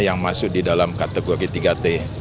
yang masuk di dalam kategori tiga t